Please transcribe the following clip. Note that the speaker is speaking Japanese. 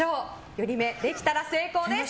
寄り目できたら成功です。